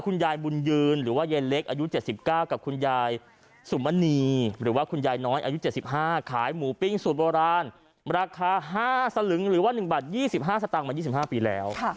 คุณยายบุญยืนหรือว่าเย็นเล็กอายุเจ็ดสิบเก้ากับคุณยายสุมมณีหรือว่าคุณยายน้อยอายุเจ็ดสิบห้าขายหมูปิ้งสุดโบราณราคาห้าสลึงหรือว่าหนึ่งบาทยี่สิบห้าสตางค์มายี่สิบห้าปีแล้วค่ะ